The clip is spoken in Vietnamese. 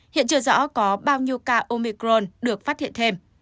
hiện chưa rõ có bao nhiêu ca omicron được phát hiện thêm